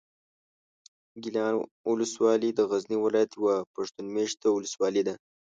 ګیلان اولسوالي د غزني ولایت یوه پښتون مېشته اولسوالي ده.